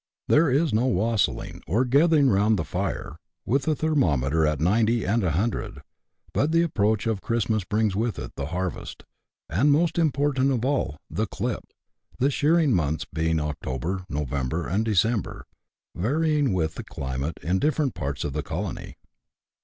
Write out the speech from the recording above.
Tliere is no wassailing, or gathering round the fire, with the thermometer at 90 and 100 ; but the approach of Christmas brings with it the harvest, and, most important of all, " the clip;" the shearing months being October, November, and December, varying with the climate in different parts of the colony.